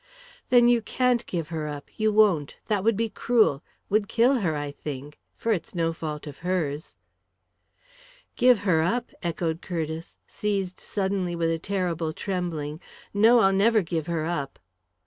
"Then you can't give her up you won't that would be cruel would kill her, I think for it's no fault of hers " "Give her up!" echoed Curtiss, seized suddenly with a terrible trembling. "No, I'll never give her up!"